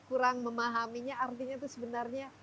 kurang memahaminya artinya itu sebenarnya